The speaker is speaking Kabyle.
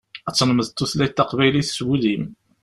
Ad tlemdeḍ tutlayt taqbaylit s wul-im.